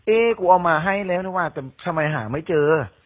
เอ๊ะกูเอามาให้แล้วแต่ทำไมหาไม่เจอ